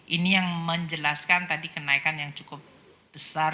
ini yang menjelaskan tadi kenaikan yang cukup besar